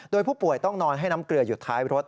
โดยผู้ป่วยต้องนอนให้น้ำเกลืออยู่ท้ายรถ